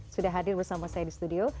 sudah hadir bersama saya di studio